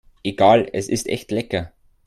Egal, es ist echt lecker.